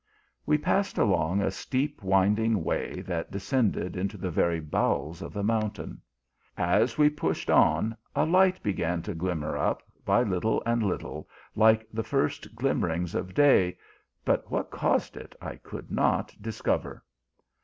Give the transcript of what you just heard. We passed along a steep winding way that descended into the very bowels of the mountain. As we pushed on, a light began to glimmer up by little and little, like the first glimmerings of day, but what caused it, I could not discover.